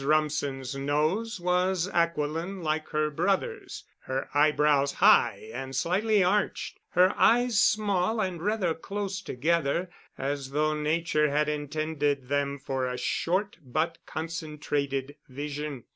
Rumsen's nose was aquiline like her brother's, her eyebrows high and slightly arched, her eyes small and rather close together, as though nature had intended them for a short but concentrated vision.